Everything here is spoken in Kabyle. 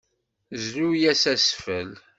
Zlu-as asfel.